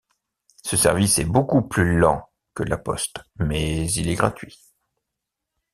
Ce service est beaucoup plus lent que la poste, mais il est gratuit.